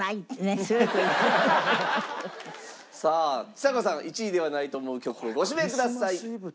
さあちさ子さん１位ではないと思う曲をご指名ください。